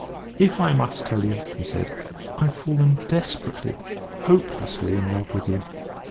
"If I must tell you," he said, "I've fallen desperately, hopelessly, in love with you.